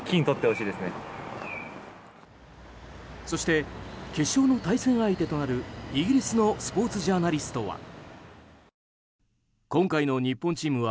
そして、決勝の対戦相手となるイギリスのスポーツジャーナリストは。